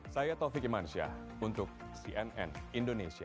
saya taufik iman syah untuk cnn indonesia